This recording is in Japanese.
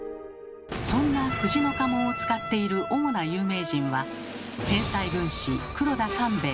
そんな藤の家紋を使っている主な有名人は天才軍師黒田官兵衛。